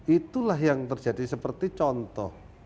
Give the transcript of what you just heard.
itulah yang terjadi seperti contoh